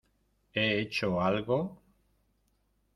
he hecho algo...